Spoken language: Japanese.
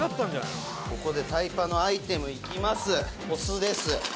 「ここでタイパのアイテムいきます」